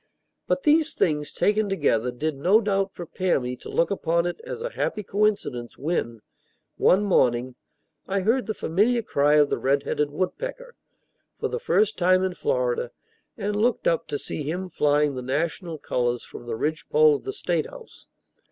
But these things, taken together, did no doubt prepare me to look upon it as a happy coincidence when, one morning, I heard the familiar cry of the red headed woodpecker, for the first time in Florida, and looked up to see him flying the national colors from the ridgepole of the State House.